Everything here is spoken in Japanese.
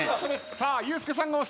さあユースケさんが押した。